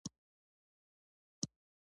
ځینې لیکوالان اصطلاح علمي او محاوره ولسي ګڼي